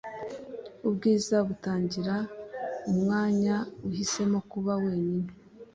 ubwiza butangira umwanya uhisemo kuba wenyine.